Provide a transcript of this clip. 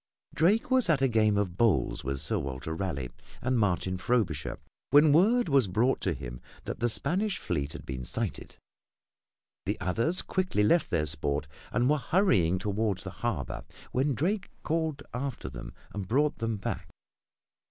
Drake was at a game of bowls with Sir Walter Raleigh and Martin Frobisher when word was brought to him that the Spanish fleet had been sighted. The others quickly left their sport and were hurrying toward the harbor when Drake called after them and brought them back.